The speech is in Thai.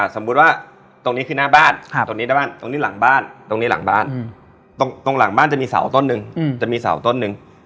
สมมติว่าตรงนี้คือน่าบ้านตรงนี้ทางบ้านตรงนี้หลังบ้านหลังบ้านจะมีเสาต้นหนึ่ง